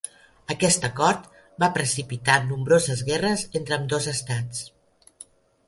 Aquest acord va precipitar nombroses guerres entre ambdós estats.